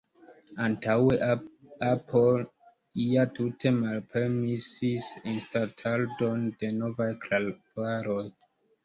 Antaŭe Apple ja tute malpermesis instaladon de novaj klavaroj.